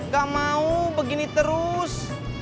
gak mau begini terus